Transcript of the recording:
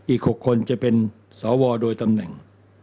อีก๖คนจะเป็นสวโดยตำแหน่ง